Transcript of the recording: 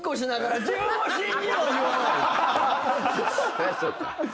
そりゃそうか。